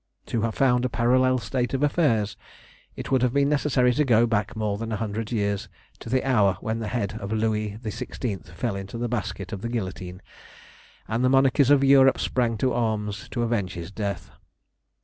To have found a parallel state of affairs, it would have been necessary to go back more than a hundred years, to the hour when the head of Louis XVI. fell into the basket of the guillotine, and the monarchies of Europe sprang to arms to avenge his death.